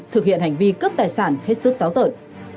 thực hiện hành vi cướp tài sản hết sức táo tợn